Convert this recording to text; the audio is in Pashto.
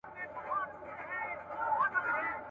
چي زر چیغي وي یو ستونی زر لاسونه یو لستوڼی ..